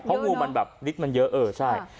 เพราะงูมันแบบฤทธิมันเยอะเออใช่